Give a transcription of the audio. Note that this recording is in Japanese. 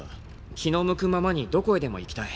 気の向くままにどこへでも行きたい。